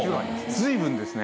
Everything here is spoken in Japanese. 随分ですね。